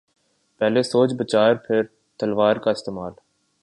پہلے سوچ بچار پھر تلوار کااستعمال۔